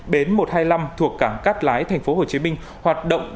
bến một trăm hai mươi năm thuộc cảng cát lái tp hcm hoạt động